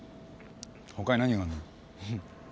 ほかに何があんの。